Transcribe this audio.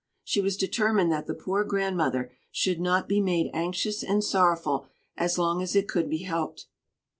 She was determined that the poor grandmother should not be made anxious and sorrowful as long as it could be helped.